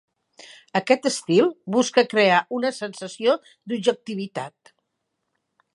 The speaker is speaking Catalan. Aquest estil busca crear una sensació d'objectivitat.